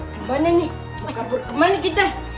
kemana nih kabur kemana kita